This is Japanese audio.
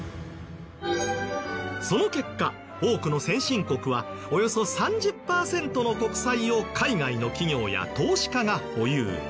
その結果多くの先進国はおよそ３０パーセントの国債を海外の企業や投資家が保有。